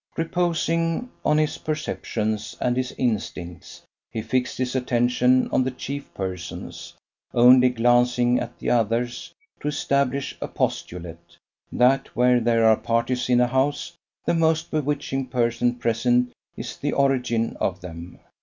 Reposing on his perceptions and his instincts, he fixed his attention on the chief persons, only glancing at the others to establish a postulate, that where there are parties in a house the most bewitching person present is the origin of them.